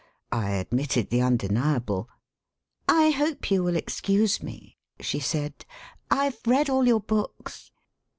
I admitted the undeniable. "I hope you'll excuse me,'* she said. "IVe read all your books.'